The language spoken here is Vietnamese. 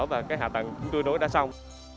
và cái hạ tầng đối đối đã xong